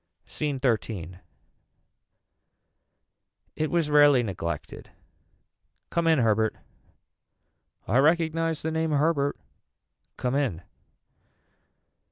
SCENE XIII. It was rarely neglected. Come in Herbert. I recognise the name Herbert. Come in.